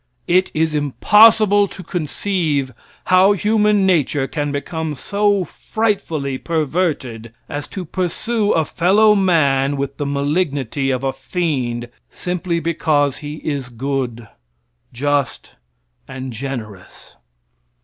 It is impossible to conceive how human nature can become so frightfully perverted as to pursue a fellow man with the malignity of a fiend, simply because he is good, just and generous.